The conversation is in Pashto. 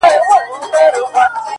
• د شپې نيمي كي؛